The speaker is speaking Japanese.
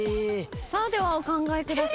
さあではお考えください。